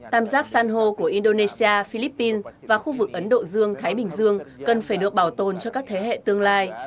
tam giác săn hô của indonesia philippines và khu vực ấn độ dương thái bình dương cần phải bị phá hủy